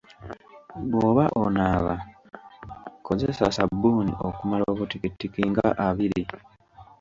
Bw’oba onaaba, kozesa ssabbuuni okumala obutikitiki nga abiri.